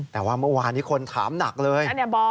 แต่ว่าเมื่อวานนี้คนถามหนักเลย